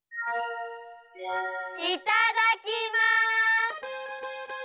いただきます！